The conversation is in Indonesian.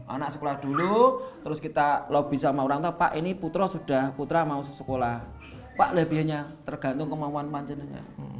anak sekolah dulu terus kita lobby sama orang tua pak ini putra sudah putra mau sekolah pak lebihnya tergantung kemampuan panjennya